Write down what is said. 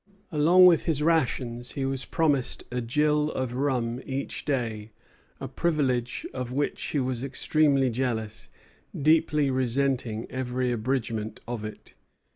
Along with his rations, he was promised a gill of rum each day, a privilege of which he was extremely jealous, deeply resenting every abridgment of it.